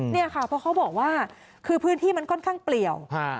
เนี่ยค่ะเพราะเขาบอกว่าคือพื้นที่มันค่อนข้างเปลี่ยว